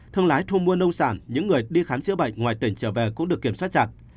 thương lái thu mua nông sản những người đi khám chữa bệnh ngoài tỉnh trở về cũng được kiểm soát chặt